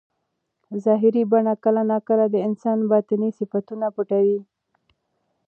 ظاهري بڼه کله ناکله د انسان باطني صفتونه پټوي.